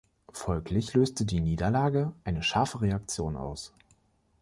Folglich löste die Niederlage eine scharfe Reaktion aus.